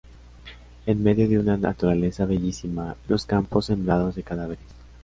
En medio de una naturaleza bellísima, los campos sembrados de cadáveres.